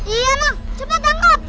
iya mak cepat angkat